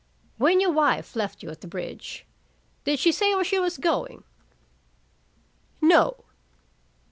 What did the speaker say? "When your wife left you at the bridge, did she say where she was going?" "No."